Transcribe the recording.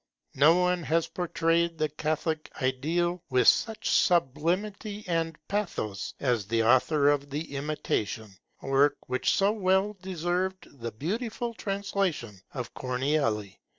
No one has portrayed the Catholic ideal with such sublimity and pathos as the author of the Imitation, a work which so well deserved the beautiful translation of Corneille.